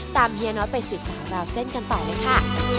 เฮียน้อยไปสืบสาวราวเส้นกันต่อเลยค่ะ